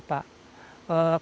dan juga dianggap sebagai penyelamat